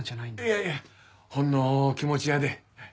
いやいやほんの気持ちやで。